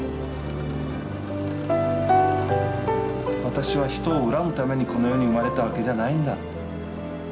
私は人を恨むためにこの世に生まれたわけじゃないんだ。